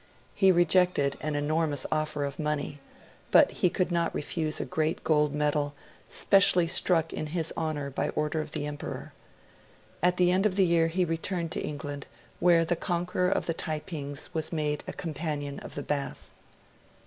He rejected an enormous offer of money; but he could not refuse a great gold medal, specially struck in his honour by order of the Emperor. At the end of the year he returned to England, where the conqueror of the Taipings was made a Companion of the Bath.